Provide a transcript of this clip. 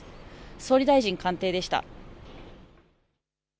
総理大臣官邸でした。